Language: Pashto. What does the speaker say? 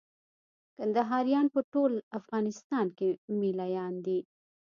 کندهاريان په ټول افغانستان کښي مېله يان دي.